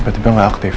tiba tiba gak aktif